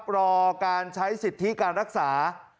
รอการใช้สิทธิการรักษา